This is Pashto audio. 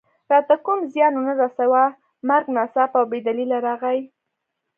راته کوم زیان و نه رساوه، مرګ ناڅاپه او بې دلیله راغی.